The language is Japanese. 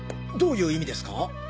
どういう意味ですか？